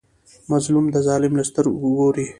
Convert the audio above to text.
مظلوم د ظالم له سترګو ګوري.